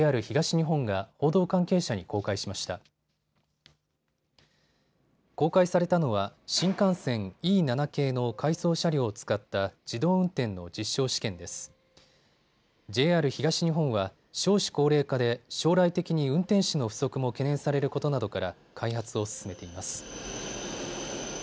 ＪＲ東日本は少子高齢化で将来的に運転士の不足も懸念されることなどから開発を進めています。